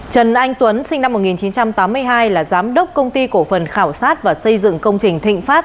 trần anh tuấn sinh năm một nghìn chín trăm tám mươi hai là giám đốc công ty cổ phần khảo sát và xây dựng công trình thịnh pháp